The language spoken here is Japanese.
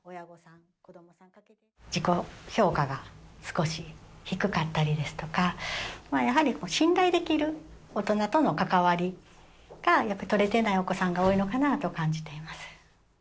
自己評価が少し低かったりですとかまあやはり信頼できる大人との関わりがとれてないお子さんが多いのかなと感じています。